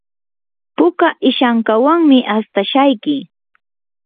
puka ishankawanmi astashayki.